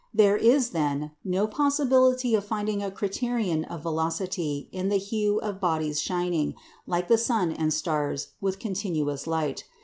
There is, then, no possibility of finding a criterion of velocity in the hue of bodies shining, like the sun and stars, with continuous light.